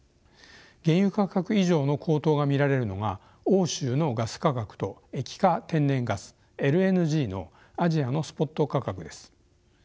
原油価格以上の高騰が見られるのが欧州のガス価格と液化天然ガスＬＮＧのアジアのスポット価格です。